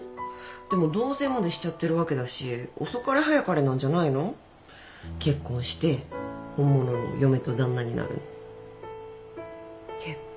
でも同棲までしちゃってるわけだし遅かれ早かれなんじゃないの？結婚して本物の嫁と旦那になるの。結婚？